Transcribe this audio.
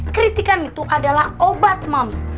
kritikan itu adalah obat moms